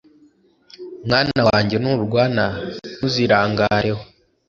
mwana wanjye, nurwara, ntuzirangareho